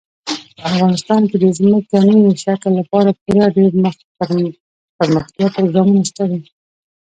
افغانستان کې د ځمکني شکل لپاره پوره دپرمختیا پروګرامونه شته دي.